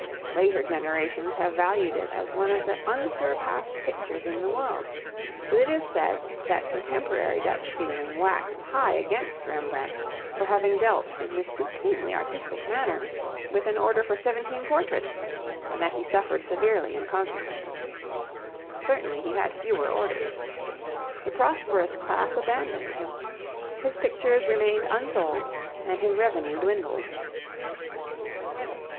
Later generations have valued it as one of the unsurpassed pictures in the world; but it is said that contemporary Dutch feeling waxed high against Rembrandt for having dealt in this supremely artistic manner with an order for seventeen portraits, and that he suffered severely in consequence. Certainly he had fewer orders. The prosperous class abandoned him. His pictures remained unsold, and his revenue dwindled.